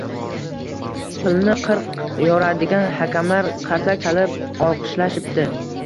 Qilni qirq yoradigan hakamlar qarsak chalib olqishlashibdi